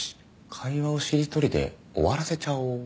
会話をしりとりで終わらせちゃおう